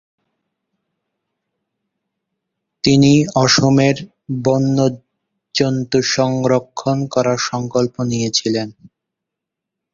তিনি অসমের বন্য জীব-জন্তু সংরক্ষন করার সংকল্প নিয়েছিলেন।